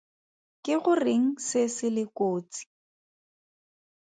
Ke goreng se se le kotsi?